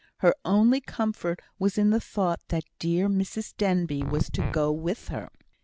Her only comfort was in the thought that dear Mrs Denbigh was to go with her.